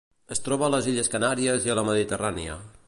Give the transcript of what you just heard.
Es troba a les Illes Canàries i a la Mediterrània.